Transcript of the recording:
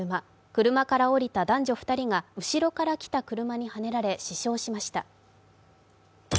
車から降りた男女２人が後ろから来た車にはねられ死傷しました。